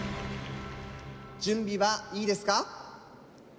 準備はいいですか？